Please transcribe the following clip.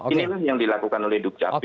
inilah yang dilakukan oleh dukcapil